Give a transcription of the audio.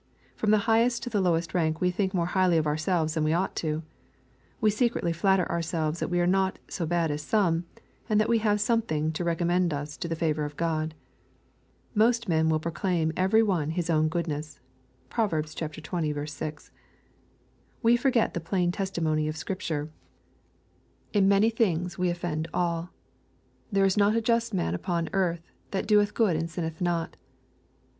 From the highest to the lowest we think more highly of ourselves than we ought to do. We secretly flatter ourselves that we are not so bad as some, and that we have something to re commend us to the favor of God. " Most men will proclaim every one his own goodness." (Prov. xx. 6.) We forget the plain testimony of Scripture, '^ In many 260 EXPOSITORY THOUGHTS. things we oflFend all." —" There is not a just man upon earth, that doeth good and sinneth not."